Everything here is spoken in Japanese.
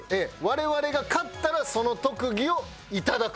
我々が勝ったらその特技をいただくと。